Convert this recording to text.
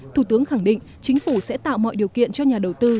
thủ tướng khẳng định chính phủ sẽ tạo mọi điều kiện cho nhà đầu tư